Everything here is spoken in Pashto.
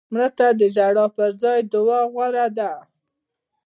مړه ته د ژړا پر ځای دعا غوره ده